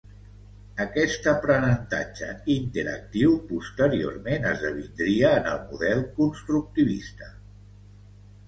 Aquest aprenentatge interactiu posteriorment esdevindria en el model constructivista.